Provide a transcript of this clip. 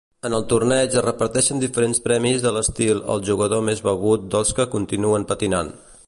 En el torneig es reparteixen diferents premis de l'estil "El jugador més begut dels que continuen patinant".